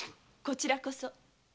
こちらこそ。